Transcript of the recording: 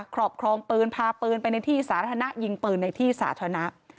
ครอบครองปืนพาปืนไปในที่สาธารณะยิงปืนในที่สาธารณะ